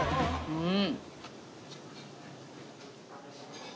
うん。